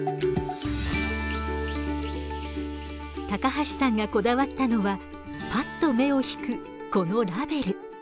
橋さんがこだわったのはパッと目をひくこのラベル。